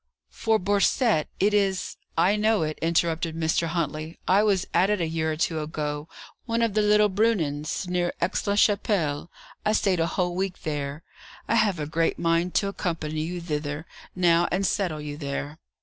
"For Borcette. It is " "I know it," interrupted Mr. Huntley. "I was at it a year or two ago. One of the little Brunnens, near Aix la Chapelle. I stayed a whole week there. I have a great mind to accompany you thither, now, and settle you there."